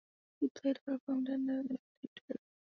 He played for Bloemfontein Celtic at youth level.